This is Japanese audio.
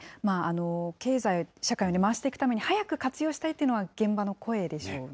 経済、社会に回していくために早く活用したいというのが現場の声でしょうね。